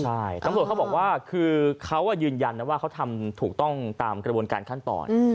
ใช่ตำรวจเขาบอกว่าคือเขายืนยันนะว่าเขาทำถูกต้องตามกระบวนการขั้นตอน